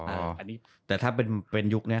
เออแต่ถ้าเป็นยุคเนี้ย